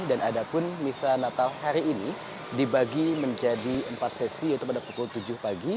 dan ada pun misah natal hari ini dibagi menjadi empat sesi yaitu pada pukul tujuh pagi